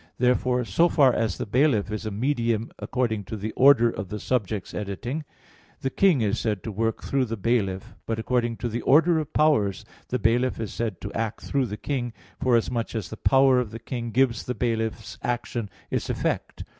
Therefore, so far as the bailiff is a medium according to the order of the subject's acting, the king is said to work through the bailiff; but according to the order of powers, the bailiff is said to act through the king, forasmuch as the power of the king gives the bailiff's action its effect.